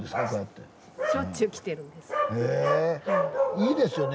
いいですよね。